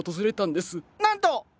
なんと！